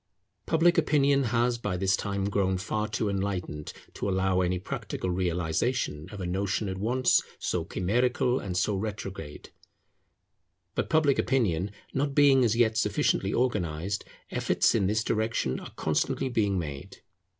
Public opinion has by this time grown far too enlightened to allow any practical realization of a notion at once so chimerical and so retrograde. But public opinion not being as yet sufficiently organized, efforts in this direction are constantly being made.